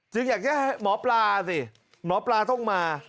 อยากจะให้หมอปลาสิหมอปลาต้องมา